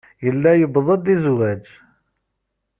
Yella yuweḍ-d i zzwaj.